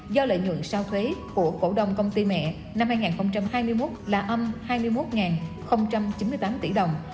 do lợi nhuận sau thuế của cổ đông công ty mẹ năm hai nghìn hai mươi một là âm hai mươi một chín mươi tám tỷ đồng